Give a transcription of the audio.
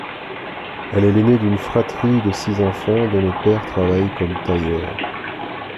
Elle est l'aînée d'une fratrie de six enfants, dont le père travaille comme tailleur.